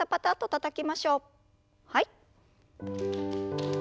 はい。